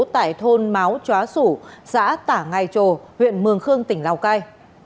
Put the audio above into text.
tại thôn máu chóa sủ xã tả ngay trồ huyện mường khương tỉnh lào cai